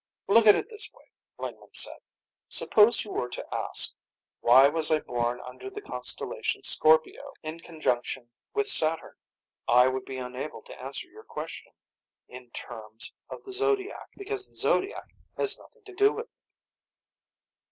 "Look at it this way," Lingman said. "Suppose you were to ask, 'Why was I born under the constellation Scorpio, in conjunction with Saturn?' I would be unable to answer your question in terms of the zodiac, because the zodiac has nothing to do with it."